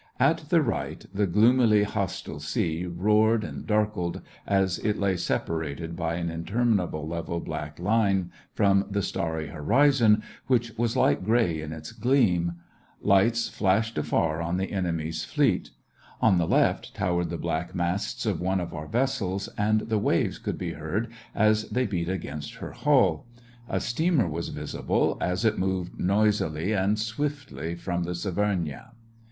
At the right the gloomily hostile sea roared and darkled, as it lay separated by an interminable level black line from the starry horizon, which was light gray in its gleam ; lights flashed afar on the enemy's fleet ; on the left towered the black masts of one of our vessels, and the waves could be heard as they beat against her hull ; a steamer was visible, as it moved noisily and swiftly from the Severnaya.